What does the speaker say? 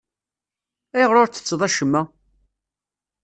Ayɣer ur ttetteḍ acemma?